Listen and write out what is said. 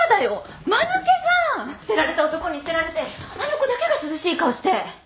捨てられた男に捨てられてあの子だけが涼しい顔して。